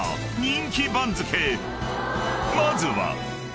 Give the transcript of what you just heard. ［まずは］